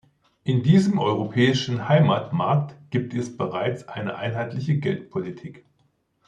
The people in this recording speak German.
In diesem europäischen Heimatmarkt gibt es bereits eine einheitliche Geldpolitik.